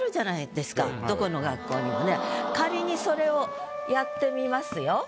仮にそれをやってみますよ。